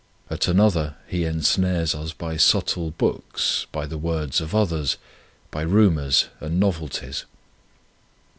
At another he ensnares us by subtle books, by the words of others, by rumours and novelties.